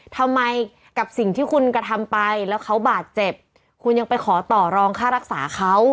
ทำไมกับสิ่งที่คุณกระทำไปแล้วเขาบาดเจ็บคุณยังไปขอต่อรองค่ารักษาเขา